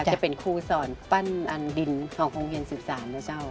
จะเป็นคู่สอนปั้นอันดินของโรงเรียน๑๓นะเจ้า